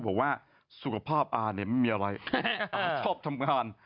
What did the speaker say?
บอกว่าสุขภาพอาเนี่ยไม่มีอะไรอาชอบทำงาน